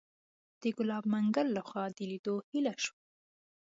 د ګلاب منګل لخوا د لیدو هیله شوه.